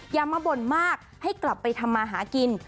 มันบ่นมากให้กลับไปทำมาหากิน